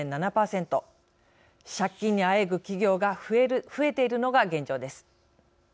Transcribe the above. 借金にあえぐ企業が増えているのが現状です。